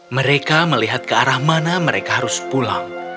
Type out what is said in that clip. mereka melihat ke arah mana mereka harus pulang